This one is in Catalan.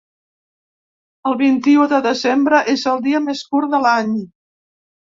El vint-i-u de desembre és el dia més curt de l’any.